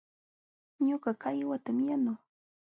Ñuqa kaywatam yanuu.